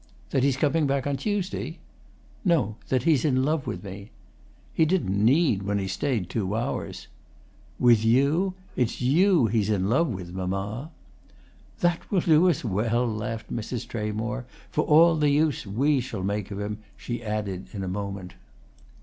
"That he's coming back on Tuesday?" "No, that he's in love with me." "He didn't need, when he stayed two hours." "With you? It's you he's in love with, mamma!" "That will do as well," laughed Mrs. Tramore. "For all the use we shall make of him!" she added in a moment.